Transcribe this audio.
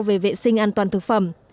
về vệ sinh an toàn thực phẩm